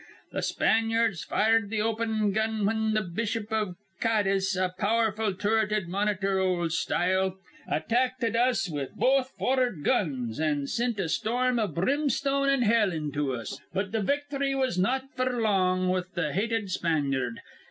Th' Spanyards fired th' openin' gun whin th' bishop iv Cades, a pow'rful turreted monitor (ol' style), attackted us with both for'ard guns, an' sint a storm iv brimstone an' hell into us. But th' victhry was not f'r long with th' hated Spanyard.